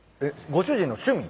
ご主人の趣味？